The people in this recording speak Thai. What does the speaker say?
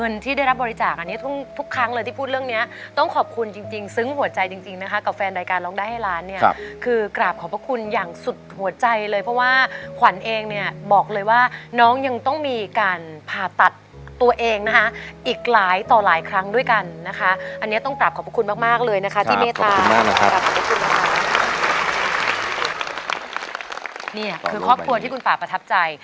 นี่คือครอบครัวที่คุณป่าประทับใจ